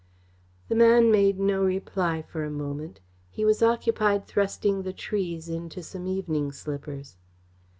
The man made no reply for a moment. He was occupied thrusting the trees into some evening slippers.